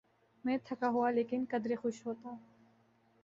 میں تھکا ہوا لیکن قدرے خوش ہوتا۔